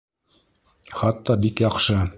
Хатта бик яҡшы!